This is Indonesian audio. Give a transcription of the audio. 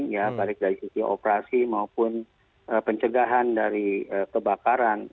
ya baik dari sisi operasi maupun pencegahan dari kebakaran